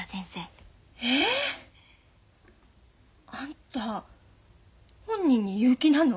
え！？あんた本人に言う気なの？